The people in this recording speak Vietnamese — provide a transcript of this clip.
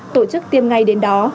tổ chức tiêm ngay đến đó